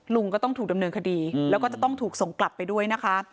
ลุงก็ต้องถูกดำเนินคดีแล้วก็จะต้องถูกส่งกลับไปด้วยนะคะ